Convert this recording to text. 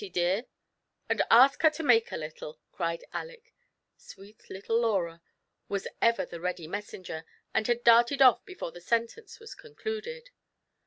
" Run to Susan, Lautie dear, and ask her to make a little," cried Aleck, Sweet little Laura was ever the ready messenger, and had darted off before the sentence waa concluded.